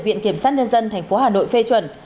viện kiểm sát nhân dân tp hà nội phê chuẩn